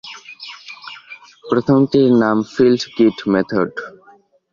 প্রথমটির নাম ‘field kit method’.